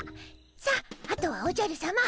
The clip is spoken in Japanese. さああとはおじゃるさま。